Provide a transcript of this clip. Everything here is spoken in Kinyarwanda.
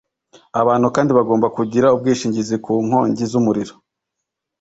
Abantu kandi bagomba kugira ubwishingizi ku nkongi z umuriro